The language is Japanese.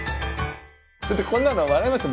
こんなの笑いますよ